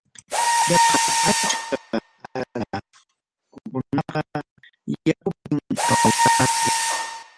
Yaqa achka Ararankakunaqa yakupim kawsanku.